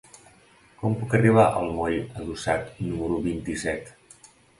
Com puc arribar al moll Adossat número vint-i-set?